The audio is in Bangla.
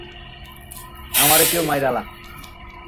আমারে কেউ মাইরালা!